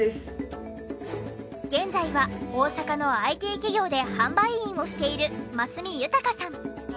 現在は大阪のＩＴ企業で販売員をしている増美ゆた賀さん。